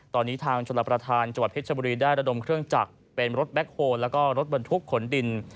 ตอนนี้ทางชนลประทานเก๋ชบุรีได้ระดมเครื่องจักรเป็นรถแบ็คโฮล์และรถบรรทุกขนดิน